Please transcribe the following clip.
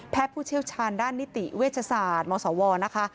ผู้เชี่ยวชาญด้านนิติเวชศาสตร์มศวนะคะ